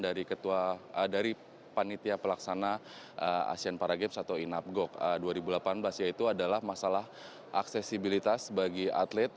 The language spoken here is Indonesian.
dari ketua dari panitia pelaksana asean para games atau inapgok dua ribu delapan belas yaitu adalah masalah aksesibilitas bagi atlet